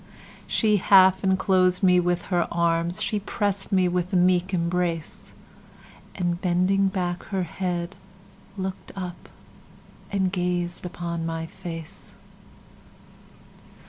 She half enclosed me with her arms, She press'd me with a meek embrace; And bending back her head, look'd up, And gazed upon my face.